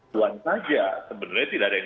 tuan saja sebenarnya tidak ada yang